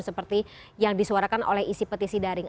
seperti yang disuarakan oleh isi petisi daring